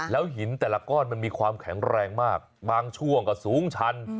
มันมีความแข็งแรงมากบางช่วงก็สูงชัน